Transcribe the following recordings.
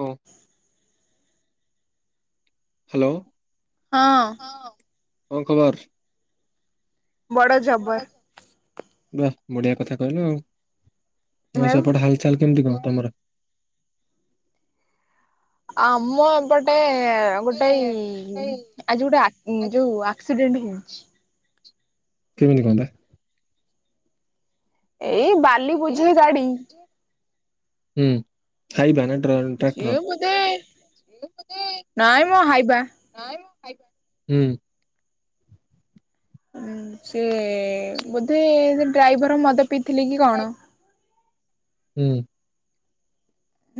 ହଁ। ହ୍ୟାଲୋ। ହଁ ହଁ। ଙ୍କ ଖବର। ବଡ ଜବର ବାଃ। ବଢ଼ିଆ କଥା କହିଲ ଆଉ। ହ ଆଉ ସେପଟେ ହାଲଚାଲ କେମିତି କଣ। କୁମର। ଆଁ। ମୁଁ ଏପଟେ ଗୋଟେ ଆଜି ଗୋଟେ ଯୋଉ ଆକ୍ସିଡେଣ୍ଟ ହେଇ କେମତି ହେଲା। ଏଇ ବାଲି ବୁଝେଇ ଦାଡି। ହୁଁ ଖାଇ ଭାନ ଯିଏ ବୁଧେ ନାଇଁ ମୁଁ ହାଇବା ହୁଁ। ହଁ ସେ ବଧେ ଡ୍ରାଇଭର ମ ପିଥିଲି କି କଣ? ହୁଁ।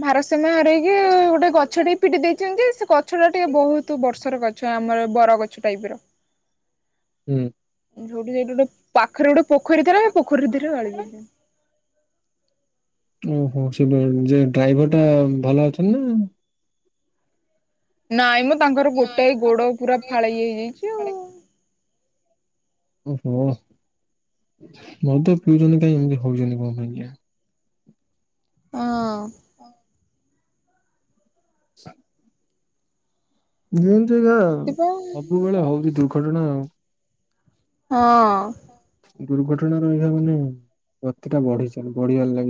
ମହାରାଷ୍ଟ୍ର। ସେମାନେ ହରଇକି ଗୋଟେ ଗଛ ଟେ ପିଟି ଦେଇଛନ୍ତି ସେ ଗଛ ଟା ଟିକେ ବହୁତ ବର୍ଷ ର ଗଛ ଆମର ବର ଗଛ ଟାଇପ ର ହୁଁ। ଯୋଉଠି ସେଠି ଗୋଟେ ପାଖରେ ଗୋଟେ ପୋଖରୀ ଦୀରେ ପୋଖରୀ ଧୀରେ ଗାଳି। ଓହୋ ସେ ଯେ ଡ୍ରାଇଭର ଟା ଭଲ ଅଛ ନା। ନାଇଁ ମୁ। ତାଙ୍କର ଗୋଟଏ ଗୋଡ ପୁରା ଫାଳେଇ ହେଇଯାଇଛି ଆଉ। ଓହୋ ମଉ ତ ପିଉଛନ୍ତି କାଇହିଁ ଏମିତି ହଉଛନ୍ତି କଣ ପାଇଁଜ୍ଞା। ହଁ। ଯେମିତି ହଁ ଆଜା ଏମତି ପା ସବୁବେଳେ ହଉଛି ଦୁଃଖ। ପଡ଼ଣ ହଁ। ଦୁର୍ଘଟଣା ରହିବା ମାନେ ଗତି ଟା ବଢି ଚା ବଢିବାର ଲାଗେ।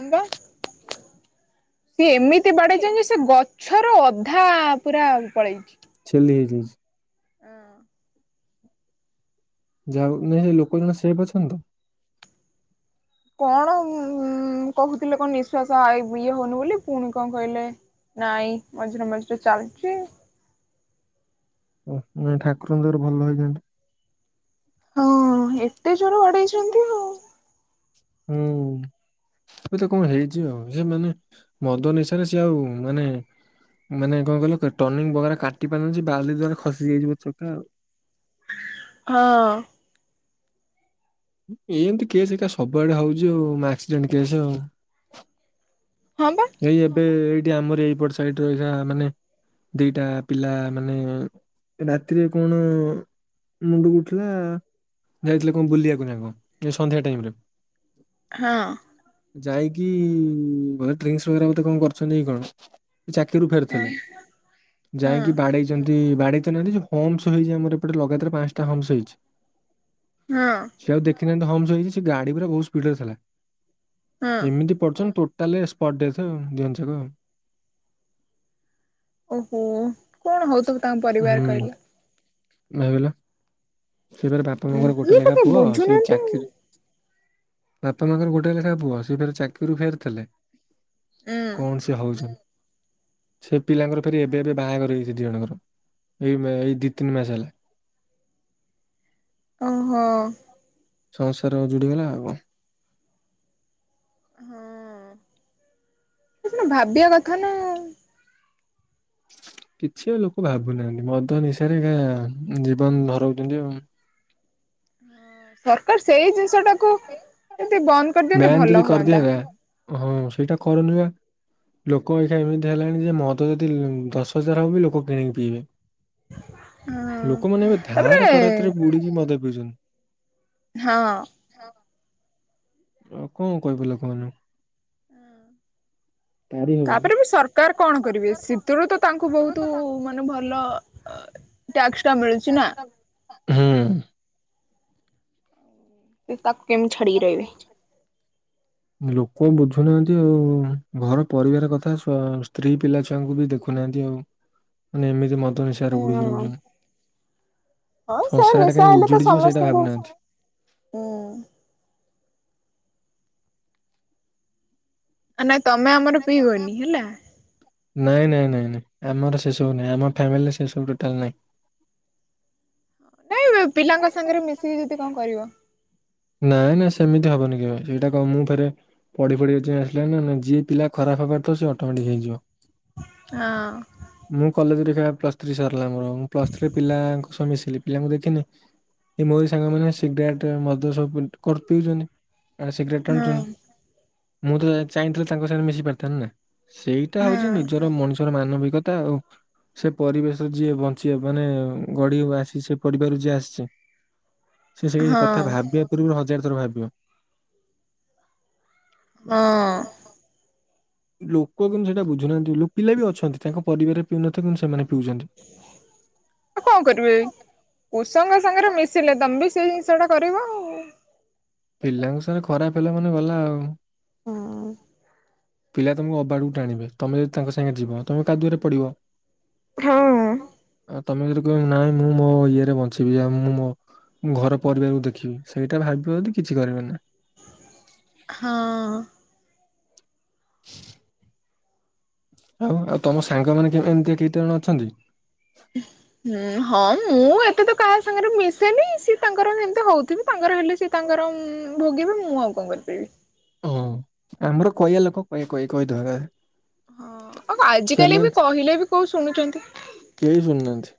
ଆମ୍ବା। ସିଏ ଏମିତି। ବାେଇ ସେ ଗଛର ଅଧା। ପୁରା ଆ ପଳେଇଛି। ଲି। ହଁ। ଯାହା ନାଇଁ ସେ ଲୋକ ଜଣ ସେ ଅଛ ତ କଣ ଉ କହୁଥିଲେ କଣ ନିଃଶ୍ଵାସ ଆ ଇଏ ହଉନି ବୋଲି ପୁଣି କଣ କହିଲେ ନାଇଁ ମଝିରେ ମଝିରେ ଚାଲୁଛି। ଓ ମ ଠାକୁର ତର ଭଲ ହେଇଥାନ୍ତ। ହଁ ଏତେ ଜୋର ବଡେଇଛି। ହୁଁ ସେ ତ କଣ ହେଇଛି ଆଉ ସେ ମାନେ ମଦ ନିଶାରେ ସେ ଆଉ ମାନେ ମାନେ କଣ କହିଲ ଟର୍ନିଂ ବଗ କାଟି ପାରିଲ ବାଲି ଦଵରେ ଖସି ଯାଇଯିବ ଚକା ଆଉ। ହଁ। ଏମିତି କେସ୍ ଏକା ସବୁଆଡେ ହଉଛି ହଉ ଆକ୍ସିଡେଣ୍ଟ କେସ୍ ଆଉ ହଁ ବା ଏଇ ଏବେ ଏଇ ଯ ଆମର ଏଇପଟ ସାଇଡରେ ରହିବା ମାନେ ଦିଟା ପିଲା ମାନେ ରାତିରେ କଣ ମୁଣ୍ଡକୁ ଉଠିଲା ଯାଇଥିଲେ କଣ ବୁଲିବାକୁ ନାଁ କଣ ସନ୍ଧ୍ୟା ଟାଇମରେ ହଁ ଯାଇକି ଘ ଡ୍ରିଙ୍କସ ବରା ବେ କଣ କରୁଛନ୍ତି କଣ ଚାକିରିରୁ ହଁ ଫେରୁଥିଲେ ହଁ ଯାଇକି ବାଡେଇଛନ୍ତି। ବାଡେଇତ ନାହାନ୍ତି ଜଉ ହମ୍ପସ ହେଇଛି ଆମର ଏପଟେ ଲଗାତାର ପାଞ୍ଚଟା ହମ୍ପସ ହେଇଛି। ହଁ, ଏ ହମସ ହେଇଛି ସେ ଗାଡି ପୁରା ବହୁତ ସ୍ପିଡ ରେ ଥିଲା। ହଁ ଏମିତି ପଡଛନ୍ ତୋ ତାଲେ ପର୍ ଡେ ତ ଜିନ୍ସ କ ଓହୋ କଣ ହଉ ତମ ତମ ପରିବାର କହିଲ ନାଇଁଗଲ। ସିଏ ଫେରେ ବାପା ଉଁ ମାଙ୍କର ଗୋଟେ ଇଏ ତ ଲେଖା କେହି ପୁଅ ସିଏ ବୁଝୁନାହାନ୍ତି ଚାକିରି ବାପା ମାଙ୍କର ଗୋଟେ ଲେଖାଏ ପୁଅ ସେଫେରେ ଚାକିରିରୁ ଫେରିଥିଲେ। ଆଉ। କଣ ସେ ହଉଛନ ସେ ପିଲାଙ୍କର ଫରି ଏବେ ଉଁ ବାହାଘର ହେଇଛି। ଦିଦି ଜଣଙ୍କର ଏଇ ଏଇ ଦି ତିନି ମାସ ହେଲା। ଓ ହୋ, ସମସ୍ୟାର ଯୁଡିଗଲା ଆ କ ହଁ ସେ ଭାବିବା କଥା ନା କିଛି ଲୋକ ଭାବୁନାହାନ୍ତି ମଦ ନିଶାରେ ଜୀବନ ଧରଉଛନ୍ତି ଆଉ। ସରକାର ସେଇ ଜିନିଷ ଟାକୁ ଯଦି ବନ୍ଦ କରିଦିଅନ୍ତୁ ବ୍ୟାନ୍ ଯଦି ଭଲ ହୁଅନ୍ତା। କରିଦିଆନ୍ତା ହଁ ସେଇଟା କରୁନୁ ବା ଲୋକ ଏଖା ଏମିତି ହେଲାଣି ଯେ ମଦ ଯଦି ଦଶ ହଜାର ହବ ବି ଲୋକ କିଣିକି ପିଇବେ। ହଁ। ଲୋକମାନୋନ ଏବେ ତାପରେ ଧାର କରଜରେ ବୁଡିକି ମଦ ଗଜନ [inaudible] ହଁ, ଓ କଣ କହ ଲ କୁହନୁ- ଁ ହବନି। ତାପରେ ବି ସରକାର କଣ କରିବେ ଶୀତରୁ ତ ତାଙ୍କୁ ବହୁତ ମାନେ ଭଲ ଟ [inaudible] ା ମିଳୁଛି ନା, ହଁ। ସେ ତାକୁ। କେମ ଛଡି ରିହିବି। କଣ ବୁଝୁନାହାନ୍ତି ଆଉ ଘର ପରିବାର କଥା [unintelligible] ସ୍ତ୍ରୀ ପିଲାଛୁଆଙ୍କୁ ବି ଦେଖୁନାହାନ୍ତି ଆଉ ମାନେ ଏମିତି ମ। ହୁଁ ହଁ ସେ ସଂସାର ଟା ନିଶା କାଇଁ ହେଲେ ତ ଉଜୁଡି ଯିବ ସେଇଟା ସମସ୍ତଙ୍କୁ ଭାବୁନାହାନ୍ତି। ହୁଁ। [unintelligible] ତମେ ଆମର ପିଇବନି ହେଲା। ନାଇଁ ନାଇଁ ନାଇଁ ନାଇଁ ଆମର ସେସବୁ ନାଇଁ ଆମ ଫାମିଲି ସେସବୁ ଟୋଟାଲ ନାଇଁ। ନାଇଁ ପିଲାଙ୍କ ସାଙ୍ଗରେ ମିଶିକି ଯଦି କଣ କରିବ। ନାଇଁ ନା ସେମିତି ହବନି କେ ସେଇଟା କ ମୁଁ ଫେରେ ପଢି ପଢିବା ଯ ଆସିଲା ନା ଯିଏ ପିଲା ଖରାପ ହବାର। ତ ସେ ଅଟମେଟିକ ହେଇଯିବ ହଁ ମୁଁ କଲେଜରେ। ଦେଖ ପ୍ଲସ୍ ଥ୍ରୀ ସରିଲା ମୋର ମୁଁ ପ୍ଲସ୍ ଥ୍ରୀରେ ପିଲାଙ୍କ ସହ ମିଶିଲି ପିଲାଙ୍କୁ ଦେଖିନି ମୋ ସାଙ୍ଗମାନେ ସିଗାରେଟ। ପିଉଛନ୍ତି। ସିଗରେଟ। ହଁ ମୁଁ ତ ଚାହିଁଥିଲ ତାଙ୍କ ସାଙ୍ଗେ ମିଶି ପାରିଥାନ୍ତିି ନା। ସେଇଟା ହଉଛି ନିଜର ମଣିଷର ମାନବିକ। କଥା ଆଉ ସେ ପରିବେଶ ଯିଏ ବଞ୍ଚିବା ମାନେ ଗଢ ଆସି ସେ ପରିବାର ଯିଏ ଆସିଛି। ସେ ସେ ହଁ ହଁ କଥା ହଁ। ଭାବ ହଜାର ଥର ଭାବିବ। ଲୋକ କିନ୍ତୁ ସେଇଟା ବୁଝୁନାହାନ୍ତି ଲ ପିଲା ବି ଅଛନ୍ତି ତାଙ୍କ ପରିବାରରେ ପିଉନଥାନ୍ତି କିନ୍ତୁ ସେମାନେ। ପିଉଛନ୍ତି। କଣ କରିବି ଉୁଷଙ୍ଗ ସାଙ୍ଗରେ ମିଶିଲେ ତମ ବି। ସେଇ ଜିନିଷଟା କ । ପିଲାଙ୍କ ସ ଖରାପ ହେଲା ମାନେ ଗଲା ଆଉ। ହଁ। ପିଲା ତମକୁ ଅବାଟକୁ ଟାଣିବେ ତମେ ଯଦି ତାଙ୍କ ସାଙ୍ଗେ ଯିବ ତମେ କାହା ଦୁଆରେ ପଡିବ। ହଁ। [unintelligible] ତମେ ଯଦି କହିବ ନାଇଁ ମୁଁ ମୋ ଇଏରେ ବଞ୍ଚିବି ଆଉ ମୁଁ ମୋ ଘର ପରିବାରକୁ ଦେଖିବି ସେଇଟା ଭାବିବଦି। କିଛି କରିବ ନା। ହଁ। ଆଉ ଆଉ ତମ ସାଙ୍ଗ ମାନେ [unintelligible] ଏମିତି କେତେ ଜଣ ଅଛନ୍ତି। ହୁଁ ହଁ ମୁଁ ଏତେ ତ କାହା ସାଙ୍ଗରେ ମିଶେନି ସି ତାଙ୍କର ଯେମିତି ହଉଥିବି ତାଙ୍କର ହେଲେ ସିଏ ତାଙ୍କର ଭୋଗିବେ ମୁଁ ଆଉ କଣ କରିପାରିବି। ହଁ ଆମର କହିବା ଲୋକ କହିବା କହି କହିଦବା। ହଁ ଆଉ ଆଜ କାଲି ବି ସେମାନେ କହିଲେ ବି କୋଉ ଶୁଣୁଛନ୍ତି। କେହି ଶୁଣୁନାହାନ୍ତି।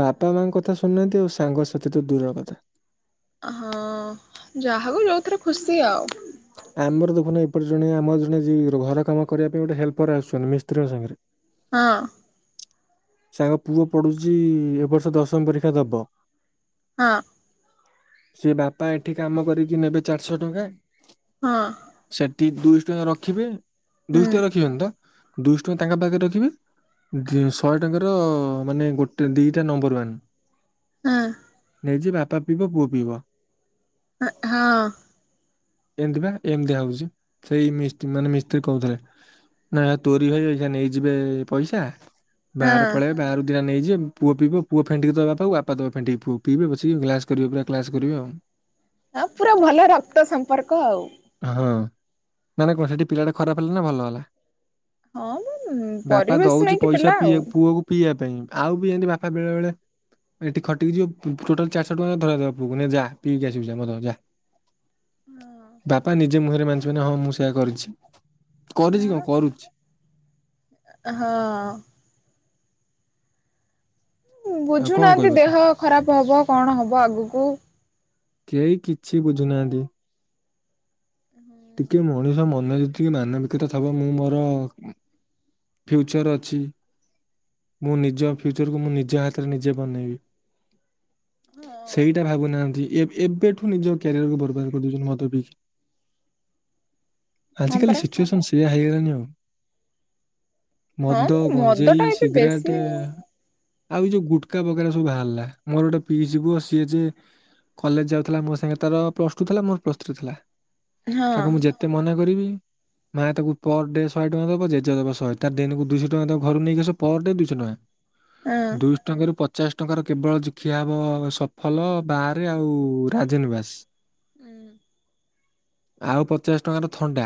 ବାପା ମାଙ୍କ କଥା ଶୁଣନାହାନ୍ତି ଆଉ ସାଙ୍ଗ ସାଥି ତ ଦୂରର କଥା। ହଁ ଯାହାକୁ ଯୋଉଥିରେ ଖୁସି ଆଉ। ଆମର ଦେଖୁନା ଏପଟ ଜଣେ ଆମର ଜଣେ ଘର କାମ କରିବା ପାଇଁ ଗୋଟେ ହେଲ୍ପର ଆସୁଛନ୍ତି ମିସ୍ତ୍ରୀଙ୍କ ସାଙ୍ଗରେ ହଁ। ସାଙ୍ଗ ପୁଅ ପଢୁଛି ଏ ବର୍ଷ ଦଶମ ପରୀକ୍ଷା ଦବ। ହଁ। ସେ ବାପା ଏଠି କାମ କରିକି ନେବେ ଚାରିଶହ ଟଙ୍କା ହଁ। ଟେ ଦୁଇଶହ ଟଙ୍କା ରଖିବେ ଦୁଇଶହ ହୁଁ। ଟଙ୍କା ରଖିବେନି ତ ଦୁଇ ଶହ ଟଙ୍କା ତାଙ୍କ ପାଖରେ ରଖିବେ। ଦ ଶହେ ଟଙ୍କା [unintelligible] ମାନେ ଗୋଟେ ଦିଟା ନମ୍ବର ହଁ ୱାନ। ନିଜ ବାପା ତା ପିବ ପୁଅ ପିଇବ। ହଁ। ଏମିତି ବା ଏମିତିଆ ହଉଛି ସେଇ ମିସ୍ତ ମାନେ ମିସ୍ତ୍ରୀ କହୁଥିଲେ ନା ତୋରି ଭାଇ ଏଇନା ନେଇଯିବେ ପଇସା ହଁ। ବାହାରେ ପଳେଇ ବାହାରକୁ ଦିନ ନେଇ ପୁଅ ପି ପୁଅ ଫେଣ୍ଟିକି ଦେବାକୁ ବାପା ଦେବା ଫେଣ୍ଟିକି ପିିବେ ବି ଗ୍ଲାସ କରିବ ପୁରା କ୍ଲାସ କରିବ ଆଉ। ହଁ ପୁରା ଭଲ ରକ୍ତ ସମ୍ପର୍କ ଆଉ ହଁ। ମାନେ କଣ ସେଠି ପିଲା ଟା ଖରାପ ହେଲା ନା ଭଲ ହେଲା। ହଁ ବାପା ପରିବେଶ ଦଉଛି ନେଇକି ପଇସା ପିଲା ପିଇ ଆଉ ପୁଅକୁ ପିଇବା ପାଇଁ ଆଉ ବି ଏମତି ବାପା ବେଳେ ବେଳେ ଏଠି ଖଟିକି ଯିବ ଟୋଟାଲ ଚାରିଶହ ଟଙ୍କା ଧରେଇ ଦେବ ପୁଅ କୁ ନେ ଯା ପିଇକି ଆସିବି ଯା ବାପା ନିଜେ ମୁହଁରେ ମାନିଯିବ ହଁ ମୁଁ ସେଇୟା କରିଛି। କରିଛି କଣ କରୁଛି ଆ ହଁ। ଆଉ କଣ କହିବ ବୁଝୁନାହାନ୍ତି ତ। ଦେହ ଖରାପ ହବ କଣ ହବ ଆଗକୁ କେହି କିଛି ବୁଝୁନାହାନ୍ତି। ଟିକେ ମଣିଷ ମନରେ ଯେତିକି ମାନବିକତା ଥବ ମୁଁ ମୋର ଫ୍ୟୁଚର ଅଛି ମୁଁ ନିଜ ଫ୍ୟୁଚରକୁ ମୁଁ ନିଜ ହାତରେ ନିଜେ ବନେଇବି ହଁ। ସେଇଟା ଭାବୁନାହାନ୍ତି ଏବେଠୁ ନିଜ କ୍ୟାରିଅରକୁ ବର୍ବାଦ କରିଦଉଛନ୍ତି ମଦ ପିଇକି। ହଁ ଆଜିିକାଲି ପରା ସିଚୁଏସନ ସେୟଆ ହେଇଗଲାଣି ନ୍ୟୁ ହଁ ମଦ ଟା ଏବେ ବେଶୀ ଆଉ ଏଇ ଯୋଉ ଗୁଟକା ବଗରା ସବୁ ବାହାରିଲା ମୋର ଗୋଟେ ପିଇସୀ ପୁଅ ସିଏ ଯେ କଲେଜ ଯାଉଥିଲା ମୋ ସାଙ୍ଗ ତାର ପ୍ଲସ ଟୁ ଥିଲା ମୋର ପ୍ଲସ ଥ୍ରୀ ଥିଲା। ହଁ ତାକୁ ମୁଁ ଯେତେ ମନେ କରିବି ମେ ତାକୁ ପର ଡେ ଶହେ ଟଙ୍କା ଦବା ଜେଜେ ଦବା ଶହେ ତାର ଦିନକୁ ଦୁଇଶହ ଟଙ୍କା ଦବ ଘରୁ ନେଇକି ଆସିବ ପର ଡେ ଦୁଇଶହ ଟଙ୍କା। ହଁ ହଁ। ଦୁଇଶହ ଟଙ୍କାରୁ ପଚ ପଚାଶ ଟଙ୍କାର କେବଳ ଖିଆ ହବ ସଫଲ ବାରେ ଆଉ ରାଜନିବାସ ଆଉ ପଚାଶ ଟଙ୍କାର ଥଣ୍ଡା।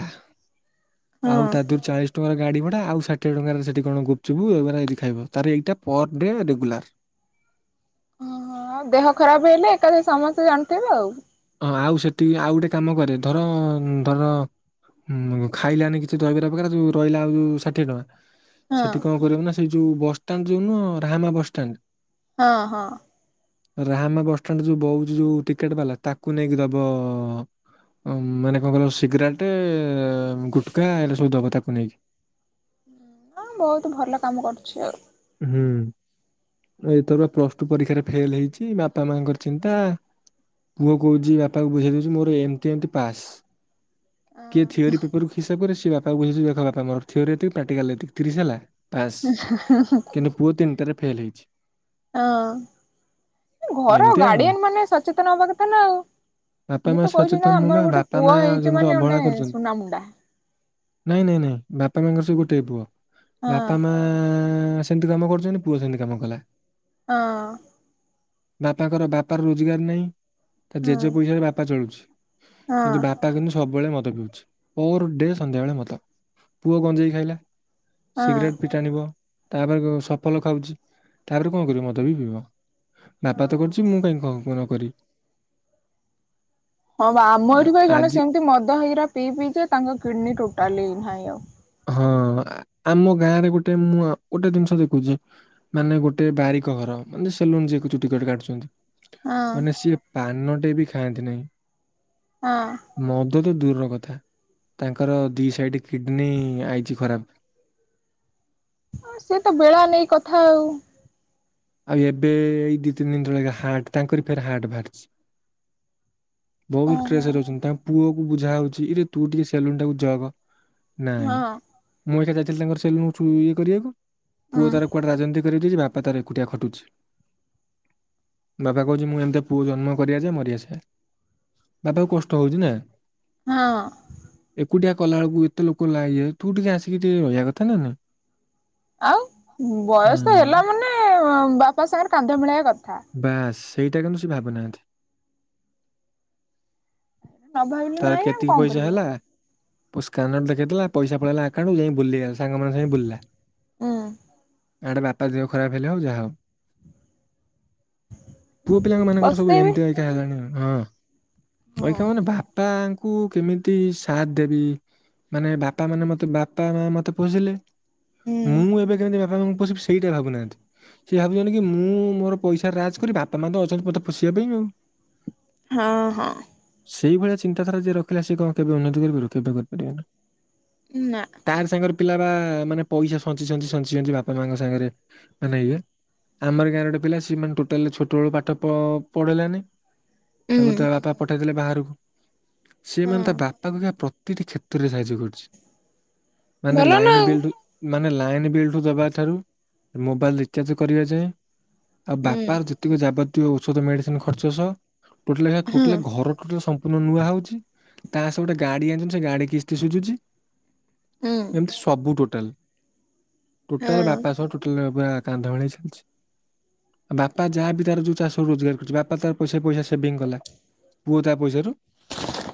ଆଉ ତା ଦେହରୁ ଚାଳିଶ ଟଙ୍କା ଗାଡି ଭଡା ଆଉ ଷାଠିଏ ଟଙ୍କାରେ ସେଠି କଣ ଗୁପଚୁପୁ ଏଗୁରା ଯଦି ଖାଇବ, ତାର ଏଇଟା ପର ଡେ ରେଗୁଲାର। ଓହୋ ଆଉ ଦେହ ଖରାପ ହେଲେ ଏକାଥରେ ସମସ୍ତେ ଜା ତେବେ ଆଉ ହଁ ଆଉ ସେଠି ଆଉ ଗୋଟେ କାମ କରେ ଧର-ଅ-ଅ ଧର ଉ-ଉ-ଉ ଖାଇଲାନି କିଛି ଦହିବରା ପ୍ରକାର ଯଉ ରହିଲା ଆଉ ଯଉ ଷାଠିଏ ଟଙ୍କା ହଁ ସେଠି କଣ କରିବୁ ନା ସେଇ ଯୋଉ ବସଷ୍ଟାଣ୍ଡ ଯୋଉନ ରାହାମା ବସଷ୍ଟାଣ୍ଡ ହଁ ହଁ। ରାହାମା ବସ୍ ଷ୍ଟାଣ୍ଡ ଯୋଉ ବଉଛି ଯୋଉ ଟିକେଟ ବାଲା ତା ତାକୁ ନେଇକି ଦବ-ଅ-ଅ-ଅ ମାନେ କଣ କହିଲ ସିଗରାଟେ, ଗୁଟକା ଏଗୁରା ସବୁ ଦବ ତାକୁ ନେଇକି। ଅ ବହୁତ ଭଲ କାମ କରୁଛି ଆଉ। ହୁଁ ଏଥର ପ୍ଲସ ଟୁ ପରୀକ୍ଷାରେ ଫେଲ ହେଇଛି, ବାପା ମାଙ୍କର ଚିନ୍ତା ପୁଅ କହୁଛି ବାପାଙ୍କୁ ବୁଝେଇ ଦଉଛି ମୋର ଏମତି ଏମତି ପାସ୍। କିଏ ଥିଓରି ପେପର କି ହିସାବ କରେ ବାପା ବୁଝଉଛି ଦେଖ ବାପା ମୋର ଥିଓରୀ ଏତିକି ପ୍ରାକ୍ଟିକାଲ ଏତିକି [unintelligible] ହେଲା ପାସ୍ ହ କିନ୍ତୁ ପୁଅ ତିନିଟାରେ ଫେଲ୍ ହେଇଛି। ହଁ ଘର ଏମିତି ଆଉ ଗାର୍ଡିଆନ ମାନେ ସଚେତନ ହବା କଥା ନା। ଆଉ ବାପା ଇଏ ମା ତ କହୁଛନ୍ତି ସଚେତନ ନା ନୁହଁ ବା ଆମର ଗୋଟେ ବାପା ମା ପୁଅ ହେଇଛି ଯେମିତି ମାନେ ଅବହେଳା ଗୋଟେ କରୁଛନ୍ତି ସୁନା ମୁୁଣ୍ଡା। ନାଇଁ ନାଇଁ ନାଇଁ ବାପା ମାଙ୍କର ସେ ଗୋଟିଏ ପୁଅ। ହଁ ବାପା ମା-ଆ-ଆ-ଆ ନା ସେମିତି କାମ କରୁଛନ୍ତି, ପୁଅ ସେମିତି କାମ କଲା। ହଁ। ବାପାଙ୍କର ବାପାର ରୋଜଗାର ନାହିଁ। ତା ହଁ ଜେଜେ ପଇସାରେ ବାପା ଚଳୁଛି। କିନ୍ତୁ ହଁ ବାପା କିନ୍ତୁ ସବୁବେଳେ ମ ପିଉଛି ପର୍ ଡେ ସନ୍ଧ୍ୟାବେଳେ ମଦ ପୁଅ ଗଂଜେଇ ଖାଇଲା। ସିଗରେଟ ବି ଟାଣିବ। ତାପରେ କ ସଫଲ ଖାଉଛି, ତାପରେ କଣ କରିବ ମଦ ବି ପିଇବ। ବାପା ତ ହଁ। କରୁଛି ମୁଁ କାଇଁ କ ନ କରିବି। ହଁ ବା ଆମ ଏଠି ଆ- ଭାଇ ଜଣେ ଆଜି ସେମିତି ମଦ ହେଇରା ପିଇ ପିଇ ଯେ ତାଙ୍କ କିଡନୀ ଟୁ ଟାଲି ନାହିଁ ଆଉ ହଁ ଆମ ଗାଁରେ ଗୋଟେ ମୁଁ ଗୋଟେ ମ ଜିନିଷ ଦେଖୁଛି ମାନେ ଗୋଟେ ବାରିକ ଘର ମାନେ ସେଲୁନ ଯିଏ ଏ କୁ ଚୁଟି କଟ କାଟୁଛନ୍ତି ହଁ ମାନେ ସିଏ ପାନ ଗୋଟେ ବି ଖାଆନ୍ତି ନାହିଁ। ହଁ ଏ ତ ଦୂରର କଥା ତାଙ୍କର ଦି ସାଇଡ କିଡନୀ ଖରାପ ସେ ତ ବେଳା ନେଇ କଥା ଆଉ ଆଉ ଏବେ ଏଇ ଦି ତିନି ଦିନ ତଳେ ହାଟ ତାଙ୍କରି ଫେର ହାଟ ବାହାରିଛି ବହୁତ ଓହୋ ଟ୍ରେସର ଅଛନ୍ତି ତା ପୁଅ କ ବୁଝା ହଉଛି ଇରେ ତୁ ଟିକେ ସେଲୁନ୍ ଟାକୁ ଜଗ ନାଇଁ ହଁ ମୁଁ ଏଠା ଯ ତାଙ୍କର ସେଲ ଇଏ କରିବାକୁ ହଁ ପୁଅ ତର କୋଆଟେ ରାଜନୀ କରିଦଛି ବପ ତାର କକୁଟିଆ ଖଟୁଛି ବାପା କହୁଛି ମୁଁ ଏମତି ପୁଅ ଜନ୍ମ କରିବା ଯେ ମରିଆସ ବାପା କଷ୍ଟ ହଉଛି ନା ହଁ କଲା ବେଳକୁ ଏତେ ଲୋକ ଲାଗେ ତୁ ଟିକେ ଆସିକି ଟିକେ ରହିବା କଥା ନା ଆଉ ବୟସ ତ ହୁଁ, ହେଲା ମାନେ ବାପା ସାଙ୍ଗରେ କାନ୍ ମିଳବା କଥା ବାସ୍ ସେଇଟା କିନ୍ତୁ ସେ ଭାବୁନାହାନ୍ତି ନ ଭାବିଲେ ନାଇଁ ଆଉ କଣ କରିବୁ ପ ସ୍ାନର ଦେଖେଇ ଦେ ପଇସ ପଳେଇଲା ଆକାଉଣ୍କୁ ଯାଇ ବୁଲିଗଲା ସାଙ୍ଗ ମ ସାଙ୍ଗେ ବୁଲିଲା ଉଁ ଆଡେ ବାପା ଦେହ ଖରାପ ହେଲେ ଆଉ ଯାହା ହଉ ପୁଅ ପିଲାଙ୍କ ମାନଙ୍କର ସବୁ ପସ୍ତେଇବେ। ଏମିତି ଆା ହେଲାାଣି ହଁ ହଁ କ ମାନେ ବାପା ତାକୁ କେମିତି ସାଥ ଦେବି ମାନେ ବାପା ମାନେ ମତେ ବାପା ମା ମତେ ପୋସିଲେ ହୁଁ ମୁଁ ଏବେ କେମତି ସେଇଟା ଭାବୁନାହାନ୍ତି ସ ଭାବୁଛନ୍ତି କି ମୁଁ ମୋ ପଇସା ରାଜ କରି ବାପା ମା ତ ଅଛନ୍ତି ବତେ ପୋଷିବା ପାଇଁ ଆଉ ହଁ ହଁ। ସେଇ ଭଳିଆ ଚିନ୍ତାଧାରା ଯିଏ ରଖିଲା ସେ କଣ କେବେ ଉନ୍ନତି କରିପାରିବ। କେବେ କରିପାରିବ ନା ନା ତାର ସାଙ୍ଗରେ ପିଲା ବା ମାନେ ପଇସା ସଞ୍ଚି ସଞ୍ଚ ସଞ୍ଚି ସଞ୍ଚ ବାପା ମାଙ୍କ ସାଙ୍ଗରେ ମାନେ ଇଏ ଆମର ଗାଁରେ ଗୋେ ପିଲା ମାନେ ଟୋଟାଲି ଛୋଟ ବେଳୁ ପାଠ ପଢେଇିଲାନି ହୁଁ ତାକୁ ବାପା ପଠେଇ ଦେଲେ ବାହାରେ [inaudible] ହଁ ସେମାନେ ତା ବାପାକୁ ଯା ପ୍ର ତିଟି କ୍ଷେତ୍ରରେ ସାହାଯ୍ୟ କରଛି। ମାନେ ଭଲ ନା ଲାଇନ ଆଉ ବିଲଟ୍ ମାନେ ଲାଇନ ବିଲ୍ଟୁ ଦବା ଠାରୁ ମୋବାଇଲ ରଚାର୍ଜ କରିବା ଯାଏଁ ଆଉ ହୁଁ ବାପାର ଯେତିକ ଯାବତ ଇଏ ଔଷଧ ମେଡ଼ିସିନ୍ ଖର୍ଚ୍ଚ ସହ ଟୋଟାଲେ ଟୋଟାଲେ ହଁ ଘର ଟୋଟାଲ ସମ ନୂ-ନୂଆ ହଉଛି ତା ସହ ଗୋଟେ ଗାଡି ଆଣିଛନ୍ତି। ସେ ଗାଡି କିସ୍ତି ସୁଝୁଛି। ହୁଁ ଏମତି ସବୁ ଟୋ ଟାଲ। ଟୋଟାଲ ହଁ ବାପା ସହ ଟୋଟାଲ ବା କାନ୍ଧ ଭଳି ଚାଲିଛି। ବାପା ଯାହା ବିି ତାର ଯୋଉ ଚାଷ ରୋଜଗାର କରିୁଛି। ବାପା ତାର ପଇସା ପଇସା ସେଭିଙ୍ଗ କଲା। ପୁଅ ତା ପଇସାରୁ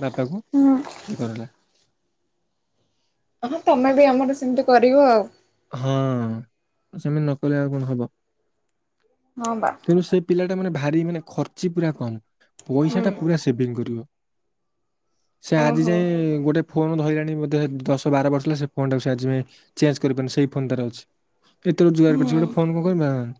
ବାପାକୁ ହଁ ଇଏ କରେଲା ହଁ, ତମେ ବି ଆମର ସେମିତି କରିବ ଆଉ। ହଁ, ସେମିତି ନକଲେ ଆଉ କଣ ହବ? ହଁ ବା ତେଣୁ ସେ ପିଲା ମାନେ ଭାରି ମାନେ ଖର୍ଚ୍ଚି ପୁରା କମ୍। ପଇସା ହୁଁ ଟା ପୁରା ସେଭିଙ୍ଗ କରିବ। ସେ ଆଜି ଓହୋ ଯାଏଁ ଏ ଗୋଟେ ଫୋନ ଧଇଲାଣି ବୋଧେ ଦଶ ବାର ବର୍ଷ ହେଲା ସେ ଫୋନ ଟାକୁ ଆଜି ପାଇଁ ଚେଞ୍ଜ କରିପାନି। ସେଇ ଫୋନ୍ ତାର ଅଛି। ଏତେ ରୋଜଗାର କରିଛି ହୁଁ। ଗୋଟେ ଫୋ କଣ କରି। [unintelligible]